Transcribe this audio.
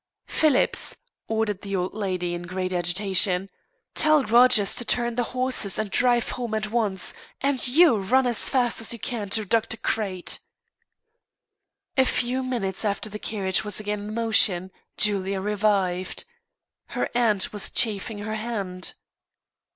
"Phillips!" ordered the old lady in great agitation, "tell Rogers to turn the horses and drive home at once; and do you run as fast as you can for Dr. Crate." A few minutes after the carriage was again in motion, Julia revived. Her aunt was chafing her hand.